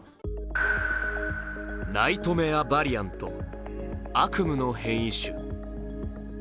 ナイトメアバリアント、悪夢の変異種。